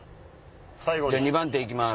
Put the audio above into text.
じゃあ２番手行きます。